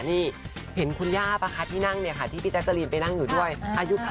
นี่เห็นคุณย่าป่ะคะที่นั่งเนี่ยค่ะที่พี่แจ๊กกะรีนไปนั่งอยู่ด้วยอายุ